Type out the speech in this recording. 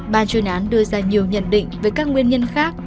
bà truyền án đưa ra nhiều nhận định về các nguyên nhân khác